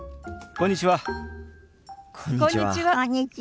こんにちは。